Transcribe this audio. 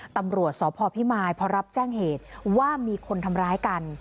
ตำรวจสพพิมายพอรับแจ้งเหตุว่ามีคนทำร้ายกัน